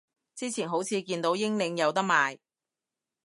之前好似見到英領有得賣